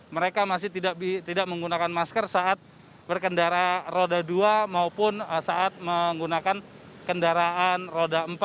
mereka masih tidak menggunakan masker saat berkendara roda dua maupun saat menggunakan kendaraan roda empat